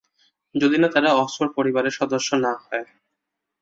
যদি না তারা অক্সফোর্ড পরিবারের সদস্য না হয়!